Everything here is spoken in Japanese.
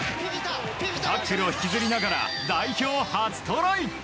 タックルを引きずりながら代表初トライ。